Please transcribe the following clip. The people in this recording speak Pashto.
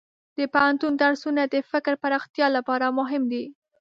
د پوهنتون درسونه د فکر پراختیا لپاره مهم دي.